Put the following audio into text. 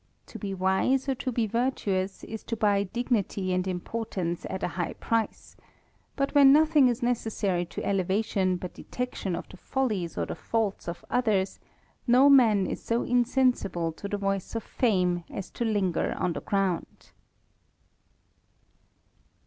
To be wise or to be virtuous, is to buy dignity and importance at a high price ; bat wUea nothing is necessary to elevation but detection ol THE RAMBLER. the folliea or the faults of others, no man is so insensible W the voice of tame as to linger on the ground.